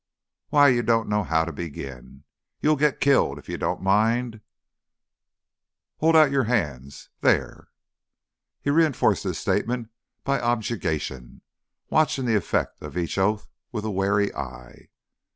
Why you done know 'ow to begin. You'll get killed if you don't mind. 'Ouldin' your 'ands There!" He reinforced his statement by objurgation, watching the effect of each oath with a wary eye.